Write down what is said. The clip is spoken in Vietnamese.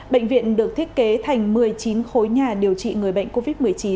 bệnh viện được thiết kế thành một mươi chín khối nhà điều trị người bệnh covid một mươi chín